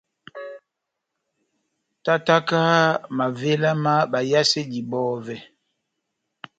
Tátáka mavéla má bayasedi bɔvɛ.